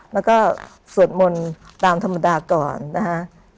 แล้วก็สวดมนต์ตามธรรมดาก่อนนะฮะ